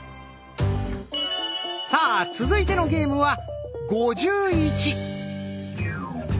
さあ続いてのゲームは「５１」。